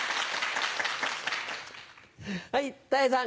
はいたい平さん。